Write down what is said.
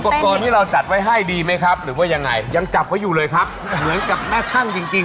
เอาอย่างนี้เรามาดูกันดีกว่าครับว่าพวกคุณเนี่ยจะทำอะไรยังไงกันบ้างในวันนี้